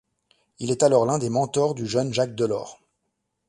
Il est alors l'un des mentors du jeune Jacques Delors.